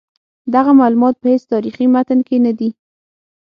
دغه معلومات په هیڅ تاریخي متن کې نه دي.